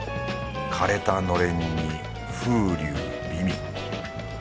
枯れたのれんに「風流美味」。